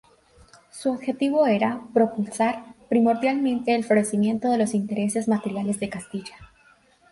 Su objetivo era ""propulsar, primordialmente, el florecimiento de los intereses materiales de Castilla"".